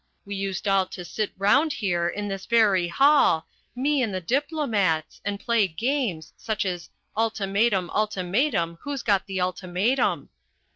We used all to sit round here, in this very hall, me and the diplomats, and play games, such as 'Ultimatum, ultimatum, who's got the ultimatum.'